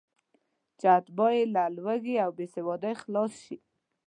چې اتباع یې له لوږې او بېسوادۍ خلاص شي.